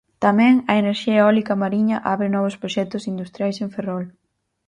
Tamén a enerxía eólica mariña abre novos proxectos industriais en Ferrol.